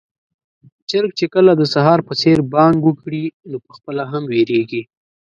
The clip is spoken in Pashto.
چرګ چې کله د سهار په څېر بانګ وکړي، نو پخپله هم وېريږي.